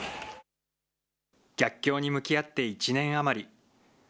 逆境に向き合って１年余り。